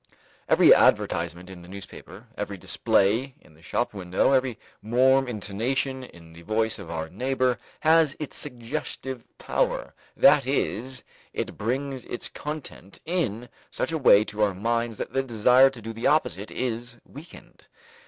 Every advertisement in the newspaper, every display in the shop window, every warm intonation in the voice of our neighbor has its suggestive power, that is, it brings its content in such a way to our minds that the desire to do the opposite is weakened.